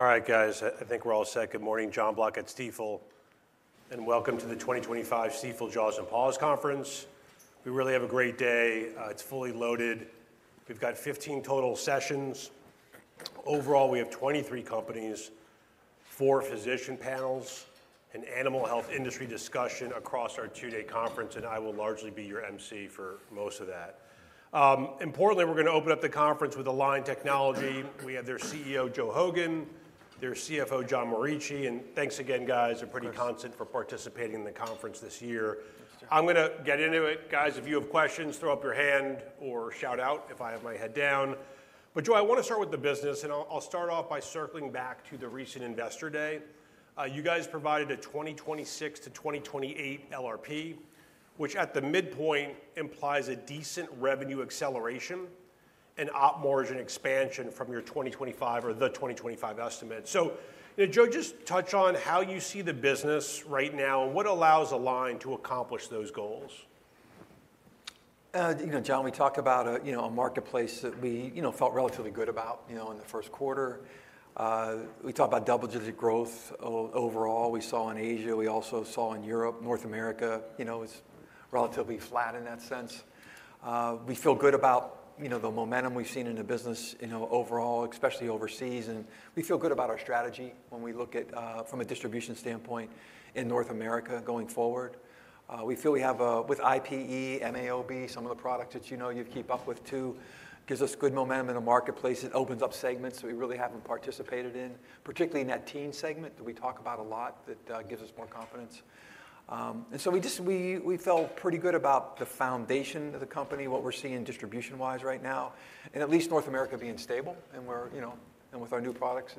All right, guys, I think we're all set. Good morning, Jon Block at Stifel, and welcome to the 2025 Stifel Jaws & Paws Conference. We really have a great day. It's fully loaded. We've got 15 total sessions. Overall, we have 23 companies, four physician panels, and animal health industry discussion across our two-day conference, and I will largely be your emcee for most of that. Importantly, we're going to open up the conference with Align Technology. We have their CEO, Joe Hogan, their CFO, John Morici, and thanks again, guys. Thank you. They're pretty constant for participating in the conference this year. Thanks, Jon. I'm going to get into it. Guys, if you have questions, throw up your hand or shout out if I have my head down. Joe, I want to start with the business, and I'll start off by circling back to the recent Investor Day. You guys provided a 2026 to 2028 LRP, which at the midpoint implies a decent revenue acceleration and op margin expansion from your 2025 or the 2025 estimate. Joe, just touch on how you see the business right now and what allows Align to accomplish those goals. You know, John, we talked about a marketplace that we felt relatively good about in the first quarter. We talked about double-digit growth overall we saw in Asia. We also saw in Europe. North America, you know, was relatively flat in that sense. We feel good about the momentum we've seen in the business overall, especially overseas, and we feel good about our strategy when we look at, from a distribution standpoint, in North America going forward. We feel we have, with IPE, MAOB, some of the products that you know you keep up with too, gives us good momentum in the marketplace. It opens up segments that we really haven't participated in, particularly in that teen segment that we talk about a lot that gives us more confidence. We just, we felt pretty good about the foundation of the company, what we're seeing distribution-wise right now, and at least North America being stable and we're, you know, and with our new products.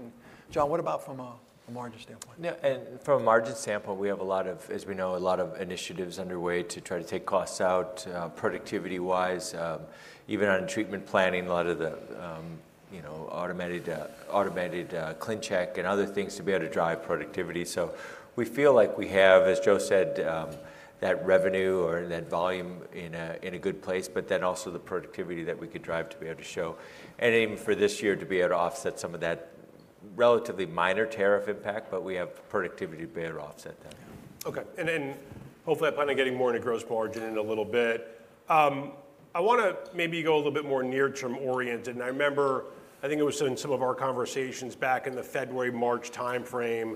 John, what about from a margin standpoint? Yeah, and from a margin standpoint, we have a lot of, as we know, a lot of initiatives underway to try to take costs out productivity-wise, even on treatment planning, a lot of the, you know, automated ClinCheck and other things to be able to drive productivity. We feel like we have, as Joe said, that revenue or that volume in a good place, but then also the productivity that we could drive to be able to show, and even for this year to be able to offset some of that relatively minor tariff impact, but we have productivity to be able to offset that. Okay, and then hopefully that plan on getting more into gross margin in a little bit. I want to maybe go a little bit more near-term oriented. I remember, I think it was in some of our conversations back in the February-March timeframe,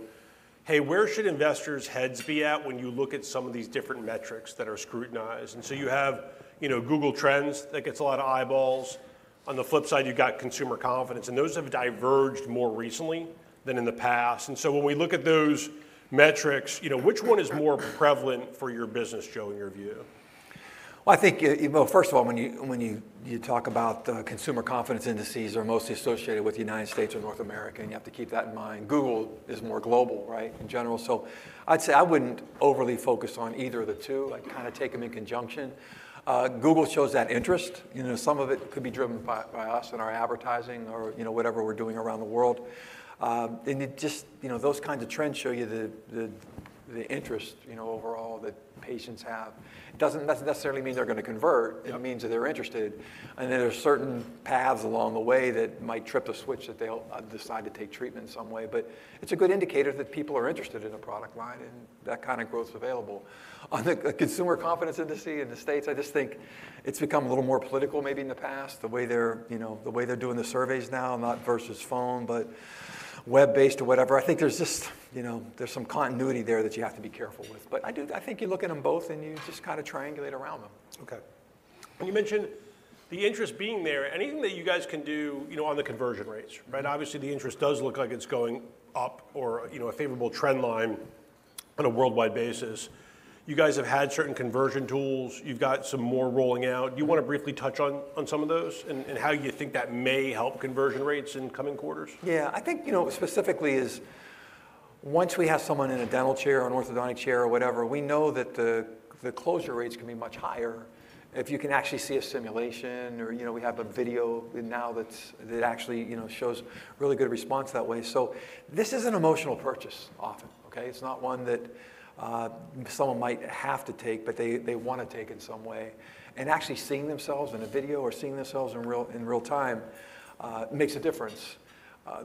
hey, where should investors' heads be at when you look at some of these different metrics that are scrutinized? You have, you know, Google Trends that gets a lot of eyeballs. On the flip side, you've got consumer confidence, and those have diverged more recently than in the past. When we look at those metrics, you know, which one is more prevalent for your business, Joe, in your view? I think, you know, first of all, when you talk about consumer confidence indices, they are mostly associated with the United States or North America, and you have to keep that in mind. Google is more global, right, in general. I'd say I wouldn't overly focus on either of the two. I'd kind of take them in conjunction. Google shows that interest. You know, some of it could be driven by us and our advertising or, you know, whatever we're doing around the world. It just, you know, those kinds of trends show you the interest, you know, overall that patients have. It doesn't necessarily mean they're going to convert. It means that they're interested. There are certain paths along the way that might trip a switch that they'll decide to take treatment in some way. It's a good indicator that people are interested in a product line and that kind of growth available. On the consumer confidence industry in the States, I just think it's become a little more political maybe in the past, the way they're, you know, the way they're doing the surveys now, not versus phone, but web-based or whatever. I think there's just, you know, there's some continuity there that you have to be careful with. I do, I think you look at them both and you just kind of triangulate around them. Okay. You mentioned the interest being there. Anything that you guys can do, you know, on the conversion rates, right? Obviously, the interest does look like it's going up or, you know, a favorable trend line on a worldwide basis. You guys have had certain conversion tools. You've got some more rolling out. Do you want to briefly touch on some of those and how you think that may help conversion rates in coming quarters? Yeah, I think, you know, specifically is once we have someone in a dental chair or an orthodontic chair or whatever, we know that the closure rates can be much higher if you can actually see a simulation or, you know, we have a video now that actually, you know, shows really good response that way. This is an emotional purchase often, okay? It's not one that someone might have to take, but they want to take in some way. Actually seeing themselves in a video or seeing themselves in real time makes a difference.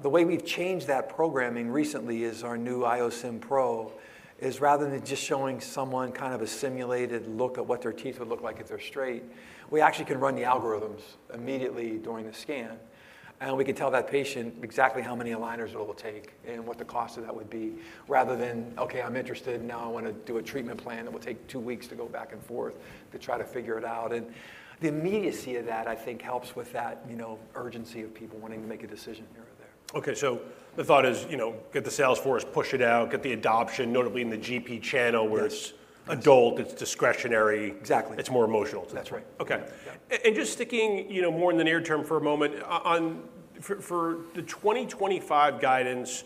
The way we've changed that programming recently is our new IOSIM PRO is rather than just showing someone kind of a simulated look at what their teeth would look like if they're straight, we actually can run the algorithms immediately during the scan, and we can tell that patient exactly how many aligners it will take and what the cost of that would be rather than, okay, I'm interested, now I want to do a treatment plan that will take two weeks to go back and forth to try to figure it out. The immediacy of that, I think, helps with that, you know, urgency of people wanting to make a decision here or there. Okay, so the thought is, you know, get the sales force, push it out, get the adoption, notably in the GP channel where it's adult, it's discretionary. Exactly. It's more emotional to them. That's right. Okay. And just sticking, you know, more in the near term for a moment on for the 2025 guidance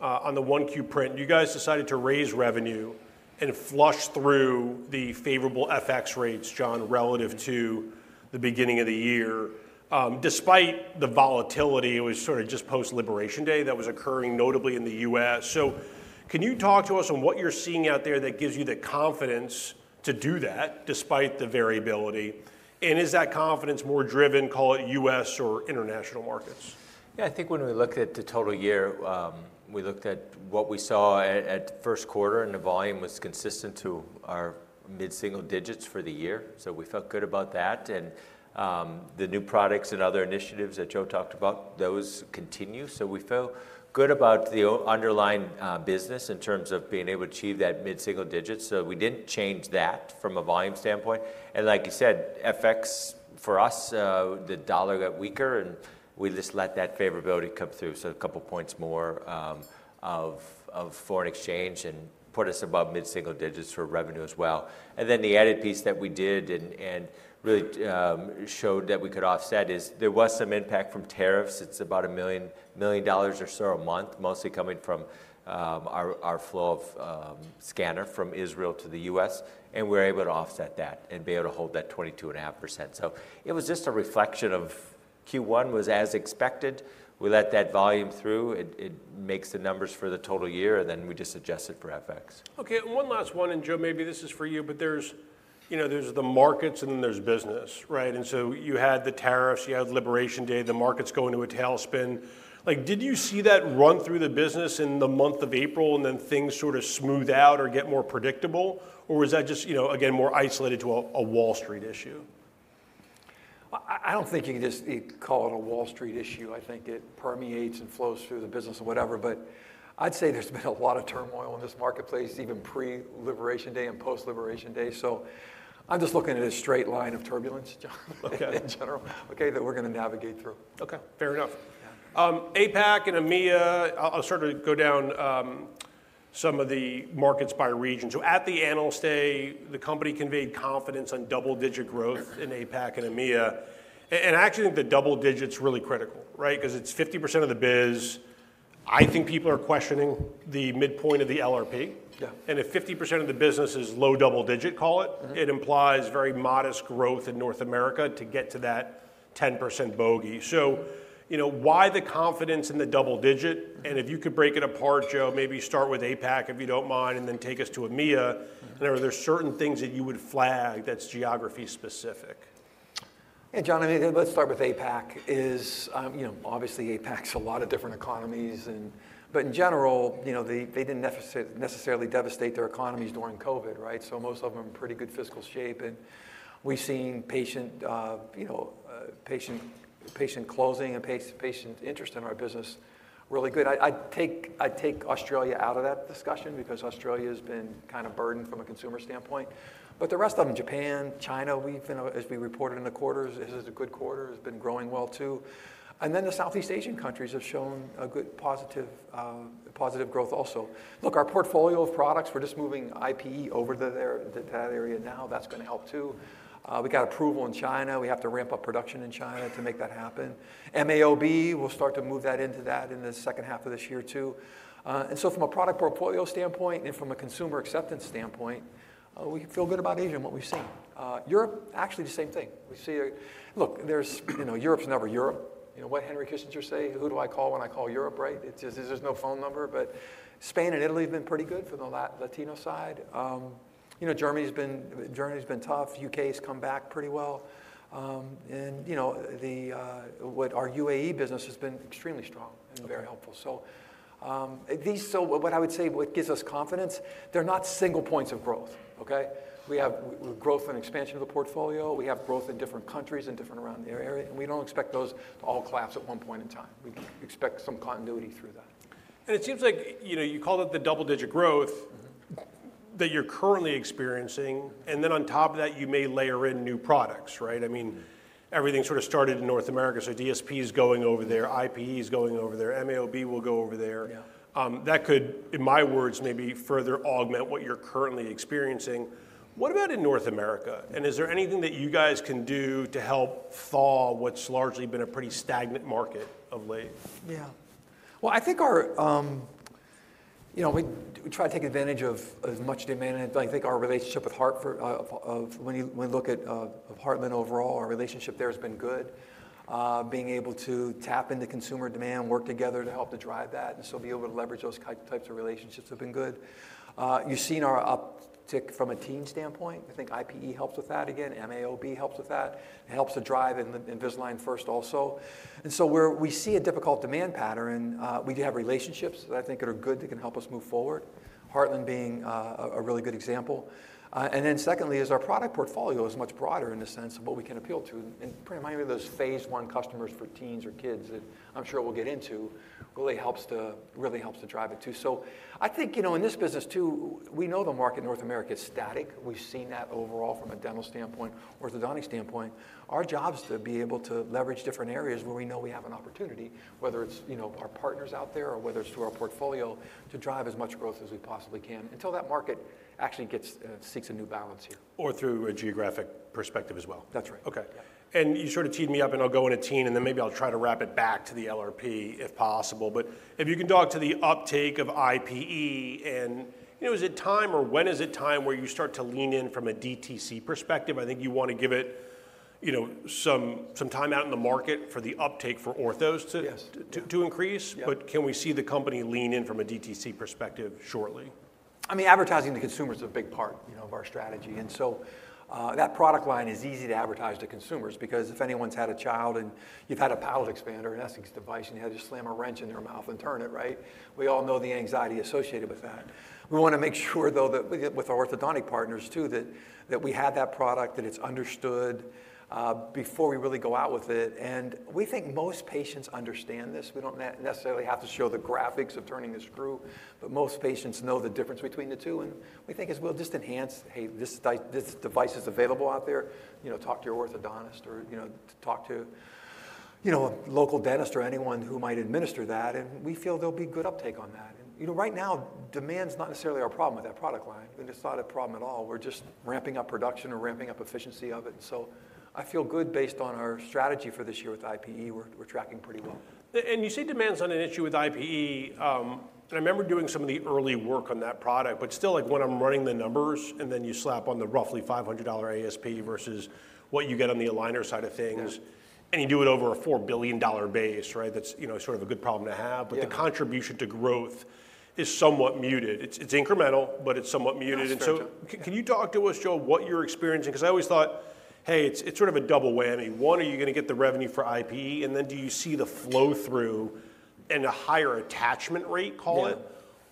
on the 1Q pred, you guys decided to raise revenue and flush through the favorable FX rates, John, relative to the beginning of the year, despite the volatility. It was sort of just post-Liberation Day that was occurring, notably in the U.S. Can you talk to us on what you're seeing out there that gives you the confidence to do that despite the variability? Is that confidence more driven, call it U.S. or international markets? Yeah, I think when we looked at the total year, we looked at what we saw at first quarter, and the volume was consistent to our mid-single digits for the year. We felt good about that. The new products and other initiatives that Joe talked about, those continue. We feel good about the underlying business in terms of being able to achieve that mid-single digit. We did not change that from a volume standpoint. Like you said, FX for us, the dollar got weaker, and we just let that favorability come through. A couple points more of foreign exchange put us above mid-single digits for revenue as well. The IPE's that we did and really showed that we could offset is there was some impact from tariffs. It's about a million dollars or so a month, mostly coming from our flow of scanner from Israel to the U.S. We were able to offset that and be able to hold that 22.5%. It was just a reflection of Q1 was as expected. We let that volume through. It makes the numbers for the total year, and then we just adjusted for FX. Okay, and one last one, and Joe, maybe this is for you, but there's, you know, there's the markets and then there's business, right? You had the tariffs, you had Liberation Day, the markets go into a tailspin. Did you see that run through the business in the month of April and then things sort of smooth out or get more predictable, or was that just, you know, again, more isolated to a Wall Street issue? I don't think you can just call it a Wall Street issue. I think it permeates and flows through the business or whatever. I'd say there's been a lot of turmoil in this marketplace, even pre-Liberation Day and post-Liberation Day. I'm just looking at a straight line of turbulence, Jon, in general, okay, that we're going to navigate through. Okay, fair enough. APAC and EMEA, I'll sort of go down some of the markets by region. At the Analyst Day, the company conveyed confidence on double-digit growth in APAC and EMEA. I actually think the double digit's really critical, right? Because it's 50% of the biz. I think people are questioning the midpoint of the LRP. Yeah. If 50% of the business is low double-digit, call it, it implies very modest growth in North America to get to that 10% bogey. You know, why the confidence in the double digit? If you could break it apart, Joe, maybe start with APAC, if you don't mind, and then take us to EMEA. Are there certain things that you would flag that's geography-specific? Yeah, John, I mean, let's start with APAC. You know, obviously APAC's a lot of different economies, but in general, you know, they didn't necessarily devastate their economies during COVID, right? So most of them are in pretty good fiscal shape. And we've seen patient, you know, patient closing and patient interest in our business really good. I take Australia out of that discussion because Australia has been kind of burdened from a consumer standpoint. The rest of them, Japan, China, we've been, as we reported in the quarter, this is a good quarter, has been growing well too. The Southeast Asian countries have shown a good positive growth also. Look, our portfolio of products, we're just moving IPE over to that area now. That's going to help too. We got approval in China. We have to ramp up production in China to make that happen. MAOB, we'll start to move that into that in the second half of this year too. And so from a product portfolio standpoint and from a consumer acceptance standpoint, we feel good about Asia and what we've seen. Europe, actually the same thing. We see, look, there's, you know, Europe's never Europe. You know what Henry Kissinger say? Who do I call when I call Europe, right? It's just there's no phone number. But Spain and Italy have been pretty good for the Latino side. You know, Germany's been tough. U.K.'s come back pretty well. And, you know, our UAE business has been extremely strong and very helpful. So these, so what I would say, what gives us confidence, they're not single points of growth, okay? We have growth and expansion of the portfolio. We have growth in different countries and different around the area. We do not expect those to all collapse at one point in time. We expect some continuity through that. It seems like, you know, you called it the double-digit growth that you're currently experiencing. Then on top of that, you may layer in new products, right? I mean, everything sort of started in North America. So DSP's going over there. IPE's going over there. MAOB will go over there. That could, in my words, maybe further augment what you're currently experiencing. What about in North America? Is there anything that you guys can do to help thaw what's largely been a pretty stagnant market of late? Yeah. I think our, you know, we try to take advantage of as much demand. I think our relationship with Heartland, when you look at Heartland overall, our relationship there has been good. Being able to tap into consumer demand, work together to help to drive that, and be able to leverage those types of relationships has been good. You've seen our uptick from a teen standpoint. I think IPE helps with that again. MAOB helps with that. It helps to drive in Invisalign First also. Where we see a difficult demand pattern, we do have relationships that I think are good that can help us move forward. Heartland being a really good example. Secondly, our product portfolio is much broader in the sense of what we can appeal to. Pretty much those phase one customers for teens or kids that I'm sure we'll get into really helps to drive it too. I think, you know, in this business too, we know the market in North America is static. We've seen that overall from a dental standpoint, orthodontic standpoint. Our job's to be able to leverage different areas where we know we have an opportunity, whether it's, you know, our partners out there or whether it's through our portfolio to drive as much growth as we possibly can until that market actually seeks a new balance here. Or through a geographic perspective as well. That's right. Okay. You sort of teed me up and I'll go into teen and then maybe I'll try to wrap it back to the LRP if possible. If you can talk to the uptake of IPE and, you know, is it time or when is it time where you start to lean in from a DTC perspective? I think you want to give it, you know, some time out in the market for the uptake for orthos to increase. Can we see the company lean in from a DTC perspective shortly? I mean, advertising to consumers is a big part, you know, of our strategy. And so that product line is easy to advertise to consumers because if anyone's had a child and you've had a palate expander and ESSIX device and you had to slam a wrench in their mouth and turn it, right? We all know the anxiety associated with that. We want to make sure though that with our orthodontic partners too, that we have that product, that it's understood before we really go out with it. We think most patients understand this. We don't necessarily have to show the graphics of turning the screw, but most patients know the difference between the two. We think as well just enhance, hey, this device is available out there. You know, talk to your orthodontist or, you know, talk to, you know, a local dentist or anyone who might administer that. We feel there'll be good uptake on that. You know, right now demand's not necessarily our problem with that product line. It's not a problem at all. We're just ramping up production or ramping up efficiency of it. I feel good based on our strategy for this year with IPE. We're tracking pretty well. You say demand's not an issue with IPE. I remember doing some of the early work on that product, but still, when I'm running the numbers and then you slap on the roughly $500 ASP versus what you get on the aligner side of things and you do it over a $4 billion base, right? That's, you know, sort of a good problem to have. The contribution to growth is somewhat muted. It's incremental, but it's somewhat muted. Can you talk to us, Joe, what you're experiencing? I always thought, hey, it's sort of a double whammy. One, are you going to get the revenue for IPE and then do you see the flow through and a higher attachment rate, call it,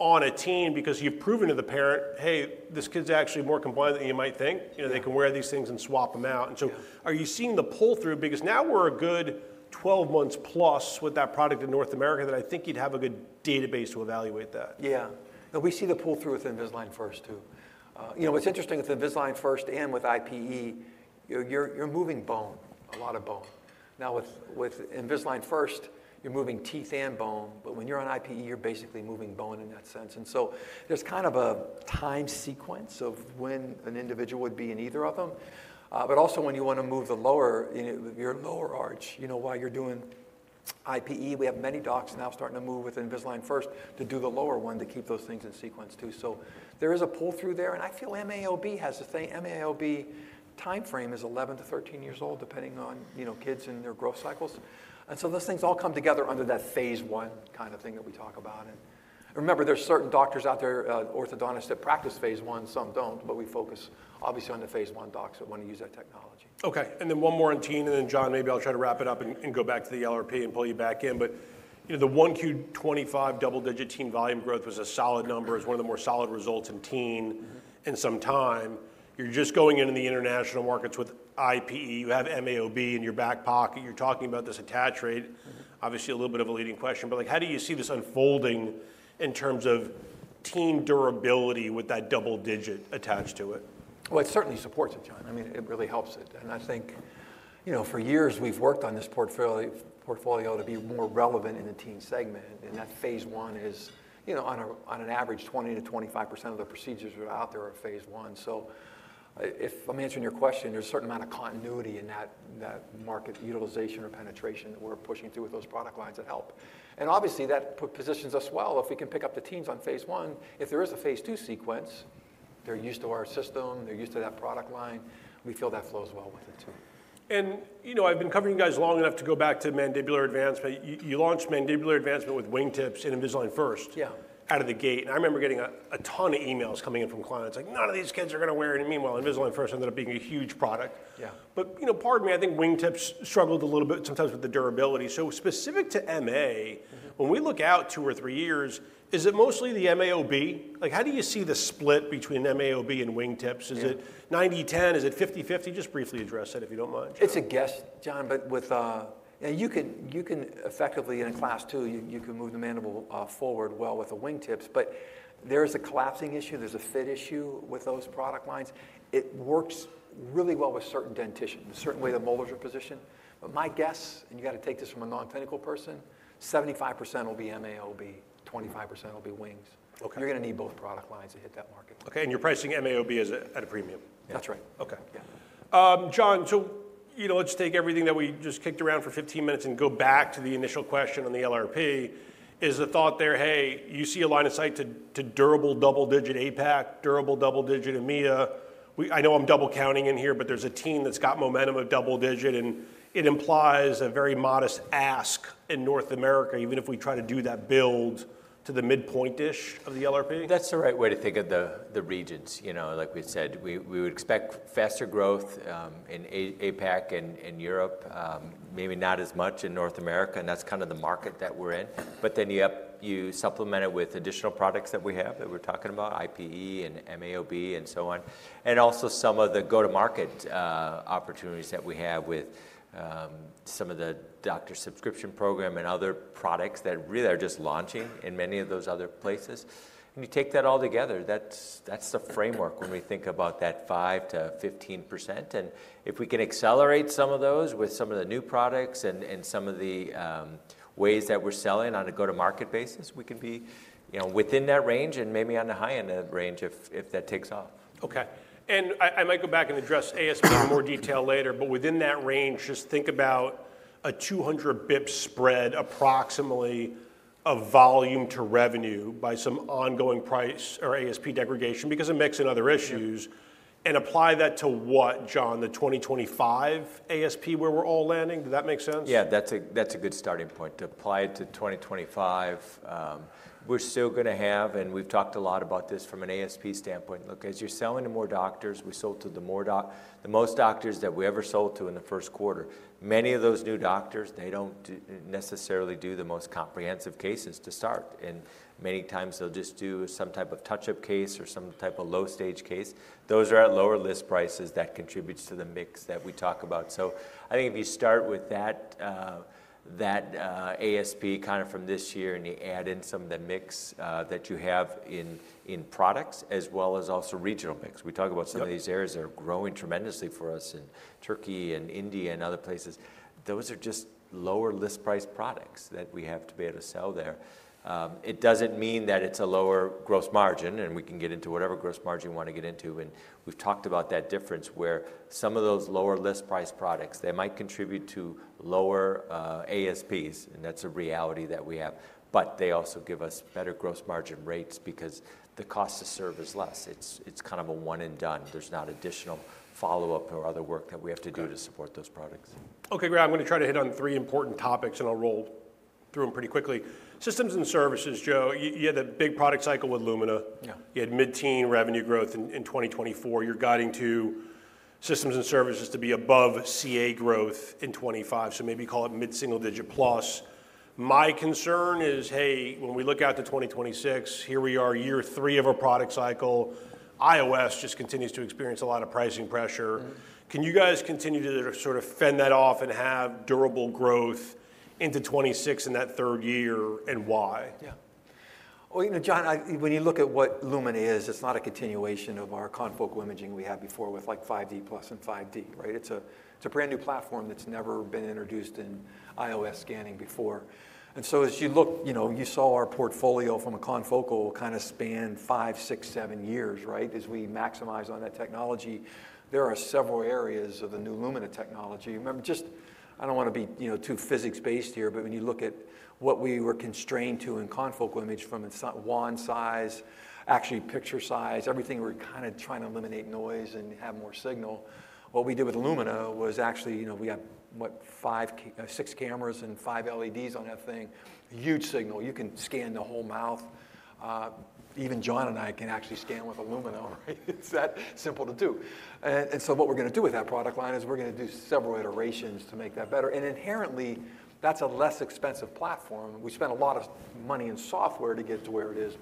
on a teen because you've proven to the parent, hey, this kid's actually more compliant than you might think. You know, they can wear these things and swap them out. Are you seeing the pull-through because now we're a good 12 months+ with that product in North America that I think you'd have a good database to evaluate that? Yeah. We see the pull-through with Invisalign First too. You know, it's interesting with Invisalign First and with IPE, you're moving bone, a lot of bone. Now, with Invisalign First, you're moving teeth and bone, but when you're on IPE, you're basically moving bone in that sense. There is kind of a time sequence of when an individual would be in either of them. Also, when you want to move your lower arch, you know, while you're doing IPE, we have many docs now starting to move with Invisalign First to do the lower one to keep those things in sequence too. There is a pull-through there. I feel MAOB has a thing. MAOB timeframe is 11-13 years old depending on, you know, kids and their growth cycles. Those things all come together under that phase I kind of thing that we talk about. Remember, there are certain doctors out there, orthodontists that practice phase I. Some do not, but we focus obviously on the phase I docs that want to use that technology. Okay. And then one more on teen. And then, John, maybe I'll try to wrap it up and go back to the LRP and pull you back in. But, you know, the 1Q 2025 double-digit teen volume growth was a solid number as one of the more solid results in teen in some time. You're just going into the international markets with IPE. You have MAOB in your back pocket. You're talking about this attach rate. Obviously, a little bit of a leading question, but like, how do you see this unfolding in terms of teen durability with that double-digit attached to it? It certainly supports it, John. I mean, it really helps it. I think, you know, for years we've worked on this portfolio to be more relevant in the teen segment. That phase one is, you know, on average 20%-25% of the procedures that are out there are phase I. If I'm answering your question, there's a certain amount of continuity in that market utilization or penetration that we're pushing through with those product lines that help. Obviously that positions us well if we can pick up the teens on phase I. If there is a phase II sequence, they're used to our system. They're used to that product line. We feel that flows well with it too. You know, I've been covering you guys long enough to go back to mandibular advancement. You launched mandibular advancement with Wingtips and Invisalign First out of the gate. I remember getting a ton of emails coming in from clients like, none of these kids are going to wear it. Meanwhile, Invisalign First ended up being a huge product. You know, pardon me, I think Wingtips struggled a little bit sometimes with the durability. Specific to MA, when we look out two or three years, is it mostly the MAOB? How do you see the split between MAOB and Wingtips? Is it 90-10? Is it 50-50? Just briefly address that if you do not mind. It's a guess, John, but with, and you can effectively in a class two, you can move the mandible forward well with the Wingtips. There is a collapsing issue. There's a fit issue with those product lines. It works really well with certain dentition, the certain way the molars are positioned. My guess, and you got to take this from a non-clinical person, 75% will be MAOB, 25% will be wings. You're going to need both product lines to hit that market. Okay. You're pricing MAOB at a premium. That's right. Okay. John, so, you know, let's take everything that we just kicked around for 15 minutes and go back to the initial question on the LRP. Is the thought there, hey, you see a line of sight to durable double-digit APAC, durable double-digit EMEA? I know I'm double counting in here, but there's a teen that's got momentum of double-digit and it implies a very modest ask in North America, even if we try to do that build to the midpoint-ish of the LRP? That's the right way to think of the regions. You know, like we said, we would expect faster growth in APAC and Europe, maybe not as much in North America. That's kind of the market that we're in. You supplement it with additional products that we have that we're talking about, IPE and MAOB and so on. Also, some of the go-to-market opportunities that we have with some of the doctor subscription program and other products that really are just launching in many of those other places. You take that all together, that's the framework when we think about that 5-15%. If we can accelerate some of those with some of the new products and some of the ways that we're selling on a go-to-market basis, we can be, you know, within that range and maybe on the high-end range if that takes off. Okay. I might go back and address ASP in more detail later, but within that range, just think about a 200 basis point spread approximately of volume to revenue by some ongoing price or ASP degradation because it makes another issues and apply that to what, John, the 2025 ASP where we're all landing? Does that make sense? Yeah, that's a good starting point to apply it to 2025. We're still going to have, and we've talked a lot about this from an ASP standpoint. Look, as you're selling to more doctors, we sold to the most doctors that we ever sold to in the first quarter. Many of those new doctors, they don't necessarily do the most comprehensive cases to start. Many times they'll just do some type of touch-up case or some type of low-stage case. Those are at lower list prices that contribute to the mix that we talk about. I think if you start with that ASP kind of from this year and you add in some of the mix that you have in products as well as also regional mix, we talk about some of these areas that are growing tremendously for us in Turkey and India and other places. Those are just lower list price products that we have to be able to sell there. It does not mean that it is a lower gross margin and we can get into whatever gross margin you want to get into. We have talked about that difference where some of those lower list price products, they might contribute to lower ASPs. That is a reality that we have. They also give us better gross margin rates because the cost to serve is less. It is kind of a one and done. There is not additional follow-up or other work that we have to do to support those products. Okay, Graham, I'm going to try to hit on three important topics and I'll roll through them pretty quickly. Systems and services, Joe, you had a big product cycle with Lumina. You had mid-teen revenue growth in 2024. You're guiding to systems and services to be above CA growth in 2025. Maybe call it mid-single digit plus. My concern is, hey, when we look out to 2026, here we are year three of our product cycle. IOS just continues to experience a lot of pricing pressure. Can you guys continue to sort of fend that off and have durable growth into 2026 in that third year and why? Yeah. You know, John, when you look at what Lumina is, it's not a continuation of our confocal imaging we had before with like 5D plus and 5D, right? It's a brand new platform that's never been introduced in IOS scanning before. As you look, you saw our portfolio from a confocal kind of span five, six, seven years, right? As we maximize on that technology, there are several areas of the new Lumina technology. Remember, I don't want to be, you know, too physics-based here, but when you look at what we were constrained to in confocal image from WAN size, actually picture size, everything, we're kind of trying to eliminate noise and have more signal. What we did with Lumina was actually, you know, we had, what, five, six cameras and five LEDs on that thing. Huge signal. You can scan the whole mouth. Even John and I can actually scan with a Lumina, right? It's that simple to do. What we're going to do with that product line is we're going to do several iterations to make that better. Inherently, that's a less expensive platform. We spent a lot of money and software to get to where it is.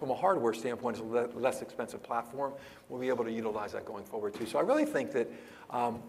From a hardware standpoint, it's a less expensive platform. We'll be able to utilize that going forward too. I really think that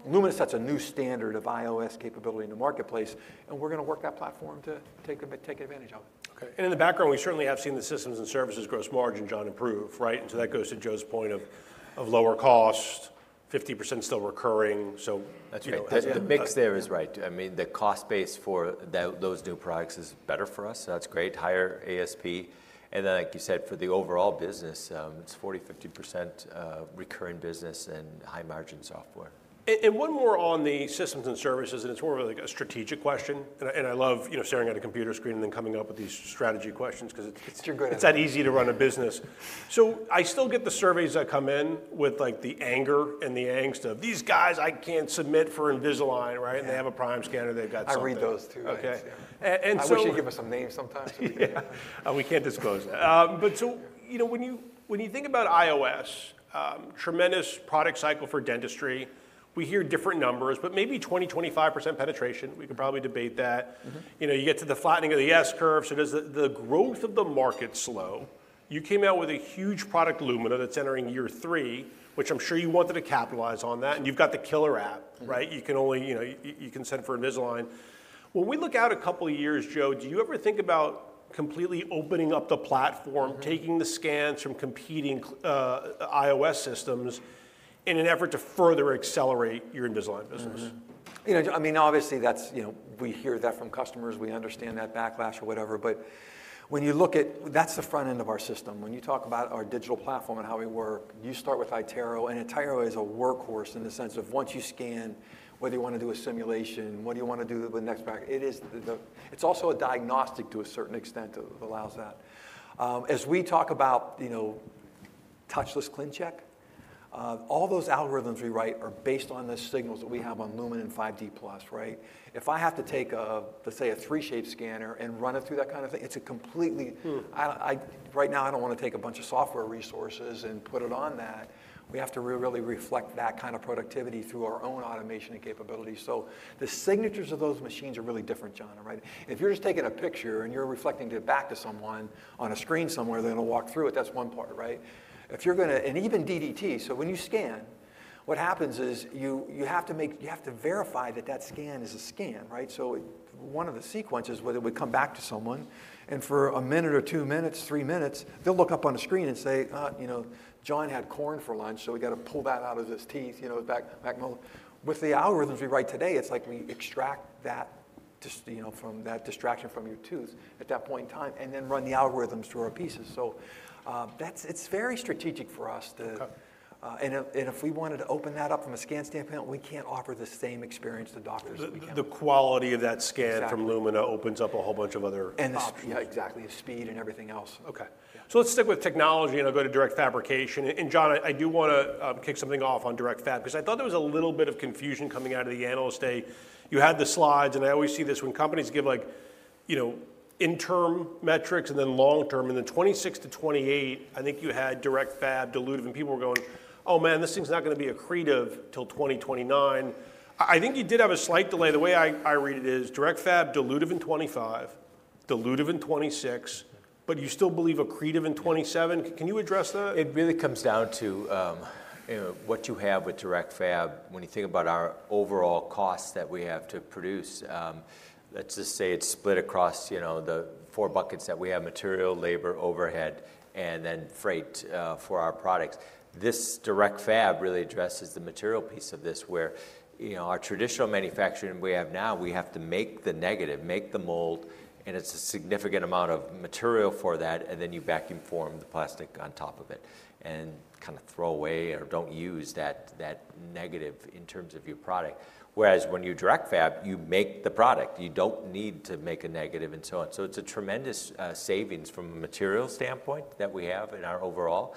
Lumina sets a new standard of IOS capability in the marketplace, and we're going to work that platform to take advantage of it. Okay. In the background, we certainly have seen the systems and services gross margin, John, improve, right? That goes to Joe's point of lower cost, 50% still recurring. The mix there is right. I mean, the cost base for those new products is better for us. That's great. Higher ASP. Like you said, for the overall business, it's 40%-50% recurring business and high-margin software. One more on the systems and services, and it's more of like a strategic question. I love, you know, staring at a computer screen and then coming up with these strategy questions because it's that easy to run a business. I still get the surveys that come in with like the anger and the angst of these guys, I can't submit for Invisalign, right? They have a prime scanner. They've got something. I read those too. Okay. Why don't you give us some names sometimes? We can't disclose it. But, you know, when you think about IOS, tremendous product cycle for dentistry, we hear different numbers, but maybe 20%-25% penetration. We could probably debate that. You know, you get to the flattening of the S curve. So does the growth of the market slow? You came out with a huge product, Lumina, that's entering year three, which I'm sure you wanted to capitalize on that. And you've got the killer app, right? You can only, you know, you can send for Invisalign. When we look out a couple of years, Joe, do you ever think about completely opening up the platform, taking the scans from competing IOS systems in an effort to further accelerate your Invisalign business? You know, I mean, obviously that's, you know, we hear that from customers. We understand that backlash or whatever. When you look at, that's the front end of our system. When you talk about our digital platform and how we work, you start with iTero. iTero is a workhorse in the sense of once you scan, whether you want to do a simulation, what do you want to do with the next bracket, it is, it's also a diagnostic to a certain extent that allows that. As we talk about, you know, touchless clean check, all those algorithms we write are based on the signals that we have on Lumina and 5D plus, right? If I have to take a, let's say, a 3Shape scanner and run it through that kind of thing, it's a completely, right now I don't want to take a bunch of software resources and put it on that. We have to really reflect that kind of productivity through our own automation and capability. So the signatures of those machines are really different, John, right? If you're just taking a picture and you're reflecting it back to someone on a screen somewhere, they're going to walk through it. That's one part, right? If you're going to, and even DDT, so when you scan, what happens is you have to make, you have to verify that that scan is a scan, right? One of the sequences where it would come back to someone, and for a minute or two minutes, three minutes, they'll look up on a screen and say, you know, John had corn for lunch, so we got to pull that out of his teeth, you know, with the algorithms we write today, it's like we extract that, you know, from that distraction from your tooth at that point in time and then run the algorithms through our pieces. It's very strategic for us to, and if we wanted to open that up from a scan standpoint, we can't offer the same experience to doctors that we have. The quality of that scan from Lumina opens up a whole bunch of other options. Yeah, exactly. The speed and everything else. Okay. Let's stick with technology and I'll go to direct fabrication. John, I do want to kick something off on direct fab because I thought there was a little bit of confusion coming out of the analyst day. You had the slides, and I always see this when companies give, like, you know, interim metrics and then long term. Then 2026 to 2028, I think you had direct fab dilutive, and people were going, "Oh man, this thing's not going to be accretive till 2029." I think you did have a slight delay. The way I read it is direct fab dilutive in 2025, dilutive in 2026, but you still believe accretive in 2027. Can you address that? It really comes down to what you have with direct fab. When you think about our overall costs that we have to produce, let's just say it's split across, you know, the four buckets that we have: material, labor, overhead, and then freight for our products. This direct fab really addresses the material piece of this where, you know, our traditional manufacturing we have now, we have to make the negative, make the mold, and it's a significant amount of material for that. Then you vacuum form the plastic on top of it and kind of throw away or do not use that negative in terms of your product. Whereas when you direct fab, you make the product. You do not need to make a negative and so on. It is a tremendous savings from a material standpoint that we have in our overall.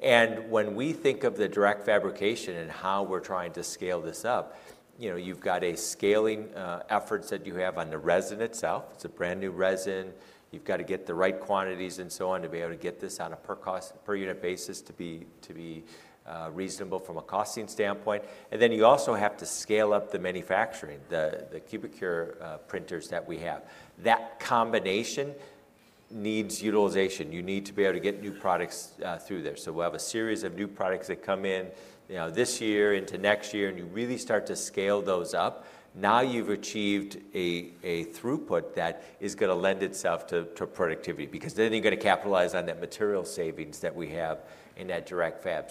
When we think of the direct fabrication and how we're trying to scale this up, you know, you've got scaling efforts that you have on the resin itself. It's a brand new resin. You've got to get the right quantities and so on to be able to get this on a per-cost, per-unit basis to be reasonable from a costing standpoint. You also have to scale up the manufacturing, the Cubicure printers that we have. That combination needs utilization. You need to be able to get new products through there. We'll have a series of new products that come in, you know, this year into next year, and you really start to scale those up. Now you've achieved a throughput that is going to lend itself to productivity because then you're going to capitalize on that material savings that we have in that direct fab.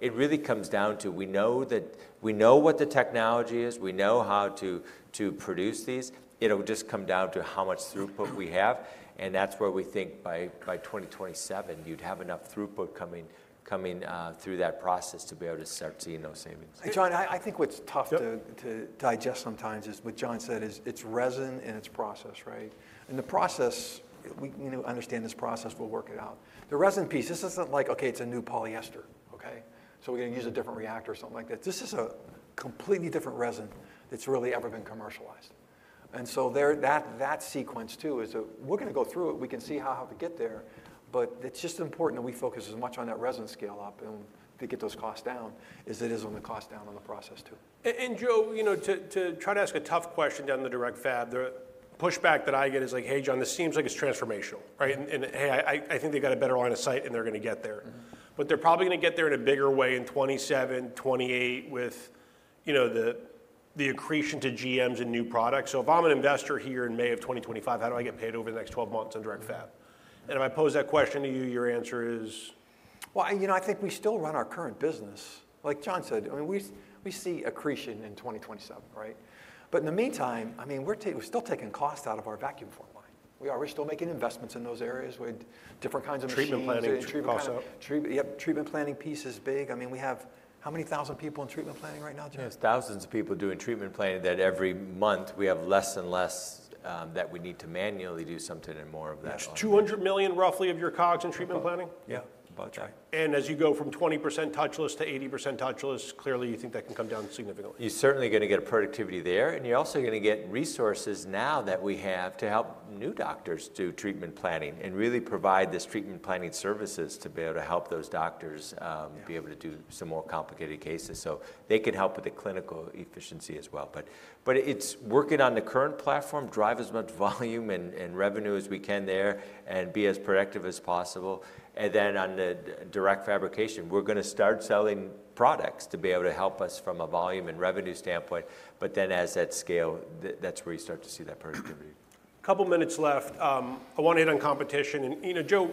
It really comes down to we know that we know what the technology is. We know how to produce these. It'll just come down to how much throughput we have. That's where we think by 2027, you'd have enough throughput coming through that process to be able to start seeing those savings. Hey John, I think what's tough to digest sometimes is what John said is it's resin and it's process, right? The process, we understand this process, we'll work it out. The resin piece, this isn't like, okay, it's a new polyester, okay? We're going to use a different reactor or something like that. This is a completely different resin that's really ever been commercialized. That sequence too is we're going to go through it. We can see how to get there. It's just important that we focus as much on that resin scale up and to get those costs down as it is on the cost down on the process too. Joe, you know, to try to ask a tough question down the direct fab, the pushback that I get is like, "Hey Jon, this seems like it's transformational," right? I think they've got a better line of sight and they're going to get there. But they're probably going to get there in a bigger way in 2027, 2028 with, you know, the accretion to GMs and new products. If I'm an investor here in May of 2025, how do I get paid over the next 12 months on direct fab? If I pose that question to you, your answer is. You know, I think we still run our current business. Like John said, I mean, we see accretion in 2027, right? In the meantime, I mean, we're still taking cost out of our vacuum form line. We are still making investments in those areas with different kinds of machinery. Treatment planning is also up. Yep, treatment planning piece is big. I mean, we have how many thousand people in treatment planning right now, John? There's thousands of people doing treatment planning that every month we have less and less that we need to manually do something and more of that. It's $200 million roughly of your COGS in treatment planning? Yeah, about that. As you go from 20% touchless to 80% touchless, clearly you think that can come down significantly. You're certainly going to get productivity there. You're also going to get resources now that we have to help new doctors do treatment planning and really provide this treatment planning services to be able to help those doctors be able to do some more complicated cases. They can help with the clinical efficiency as well. It's working on the current platform, drive as much volume and revenue as we can there and be as productive as possible. On the direct fabrication, we're going to start selling products to be able to help us from a volume and revenue standpoint. As that scales, that's where you start to see that productivity. A couple of minutes left. I want to hit on competition. You know, Joe,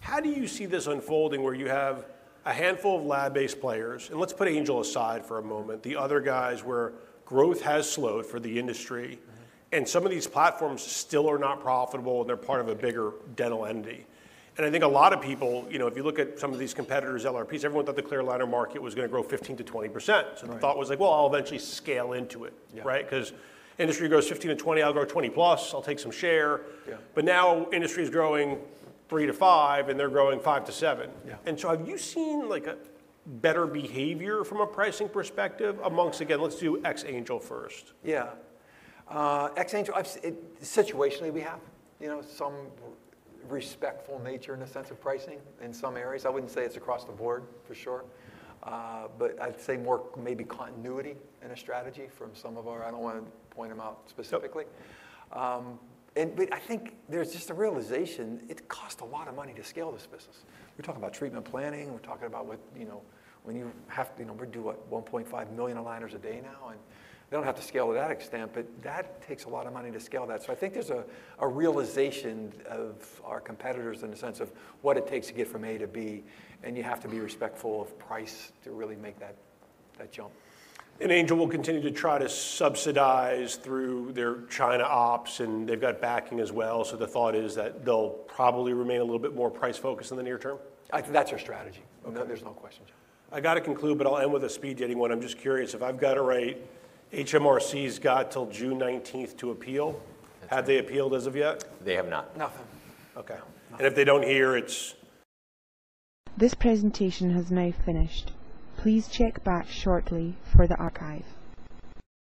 how do you see this unfolding where you have a handful of lab-based players? Let's put Angel aside for a moment. The other guys where growth has slowed for the industry and some of these platforms still are not profitable and they're part of a bigger dental entity. I think a lot of people, you know, if you look at some of these competitors' LRPs, everyone thought the clear aligner market was going to grow 15%-20%. The thought was like, well, I'll eventually scale into it, right? Because industry grows 15%-20%, I'll grow 20+, I'll take some share. Now industry is growing 3%-5% and they're growing 5%-7%. Have you seen like a better behavior from a pricing perspective amongst, again, let's do ex-Angel first? Yeah. ex-Angel, situationally we have, you know, some respectful nature in a sense of pricing in some areas. I wouldn't say it's across the board for sure. I'd say more maybe continuity in a strategy from some of our, I don't want to point them out specifically. I think there's just a realization it costs a lot of money to scale this business. We're talking about treatment planning. We're talking about what, you know, when you have, you know, we do what, 1.5 million aligners a day now. They don't have to scale to that extent, but that takes a lot of money to scale that. I think there's a realization of our competitors in the sense of what it takes to get from A to B. You have to be respectful of price to really make that jump. Angel will continue to try to subsidize through their China ops and they've got backing as well. The thought is that they'll probably remain a little bit more price focused in the near term. I think that's our strategy. There's no question. I got to conclude, but I'll end with a speed dating one. I'm just curious if I've got it right. HMRC's got till June 19th to appeal. Have they appealed as of yet? They have not. Nothing. Okay. And if they don't hear, it's. This presentation has now finished. Please check back shortly for the archive.